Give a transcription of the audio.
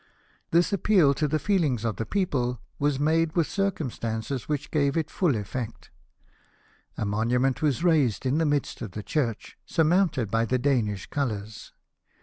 This appeal to the feelings of the people was made with circumstances which gave it full effect. A monument was raised in the midst of the church, surmounted by the Danish colours.